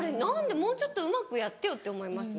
もうちょっとうまくやってよって思いますね。